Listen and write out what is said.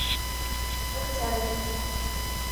«Октябрь».